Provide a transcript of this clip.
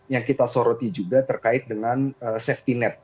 yang kita soroti juga terkait dengan safety net